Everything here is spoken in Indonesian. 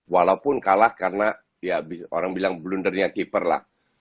walaupun kalah karena ya orang bilang blundernya keeper lah